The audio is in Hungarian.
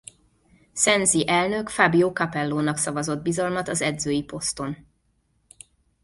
Sensi elnök Fabio Capello-nak szavazott bizalmat az edzői poszton.